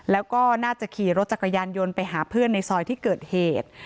แล้วก็น่าจะขี่รถจักรยานยนต์ไปหาเพื่อนในซอยที่เกิดเหตุ